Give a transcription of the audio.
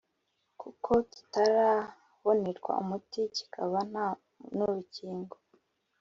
kuko kitarabonerwa umuti kikaba nta nurukingo